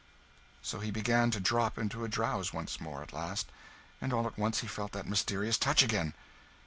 So he began to drop into a drowse once more, at last; and all at once he felt that mysterious touch again!